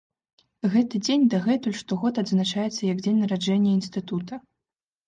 Гэты дзень дагэтуль штогод адзначаецца як дзень нараджэння інстытута.